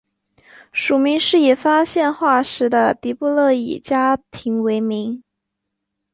属名是以发现化石的迪布勒伊家庭为名。